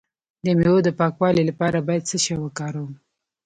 د میوو د پاکوالي لپاره باید څه شی وکاروم؟